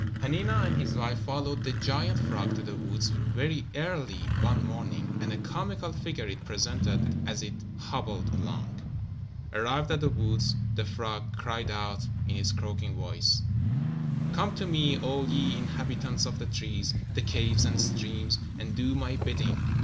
Hanina and his wife followed the giant frog to the woods very early one morning, and a comical figure it presented as it hobbled along. Arrived at the woods, the frog cried out, in its croaking voice: "Come to me all ye inhabitants of the trees, the caves and streams, and do my bidding.